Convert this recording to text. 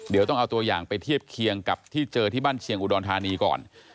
เดี๋ยวต้องเอาตัวอย่างไปเทียบเคียงกับที่เจอที่บ้านเชียงอุดรธานีก่อน